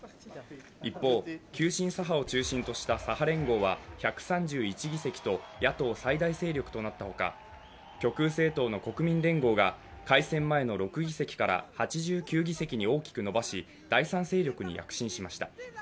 一方、急進左派を中心とした左派連合は１３１議席と野党最大勢力となったほか、極右政党の国民連合が改選前の６議席から８９議席に大きく伸ばし、第３勢力に躍進しました。